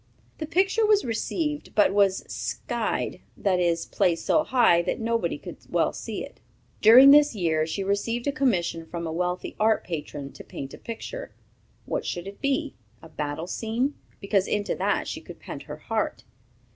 The picture was received, but was "skyed," that is, placed so high that nobody could well see it. During this year she received a commission from a wealthy art patron to paint a picture. What should it be? A battle scene, because into that she could put her heart.